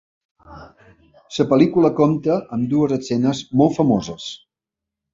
La pel·lícula compta amb dues escenes molt famoses.